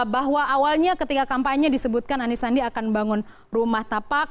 bahwa awalnya ketika kampanye disebutkan anisandi akan membangun rumah tapak